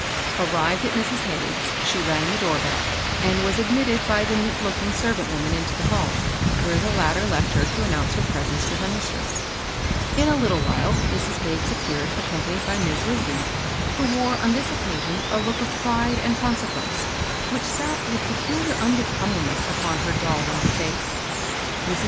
850 MABEL BOSS. Arrived at Mrs. Hagges's, she rang the door bell and was admitted by a neat looking servant woman into the hall, where the latter left her to announce her presence to her mistress. In a Httle while Mrs. Hagges appeared accompanied by Miss Lizie, who wore on this occasion a look of pride and consequence, which sat with peculiar unbecomingness upon her doll like face. Mrs.